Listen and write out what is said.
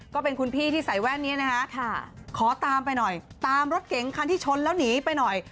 ก็เป็นคุณพี่ที่ใส่แว่นนี้นะคะขอตามไปหน่อยตามรถเก๋งคันที่ชนแล้วหนีไปหน่อย